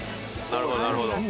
なるほど、なるほど。